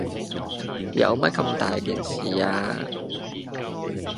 有乜咁大件事啊？